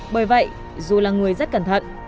bởi vậy dù là người rất cẩn thận